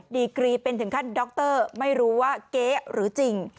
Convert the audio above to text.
ดีกรีเป็นถึงขั้นดรไม่รู้ว่าเก๊หรือจริง